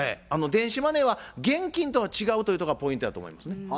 電子マネーは現金とは違うというとこがポイントやと思いますね。